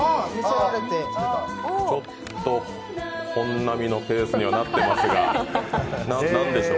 ちょっと本並のペースにははなっていますが、何でしょう？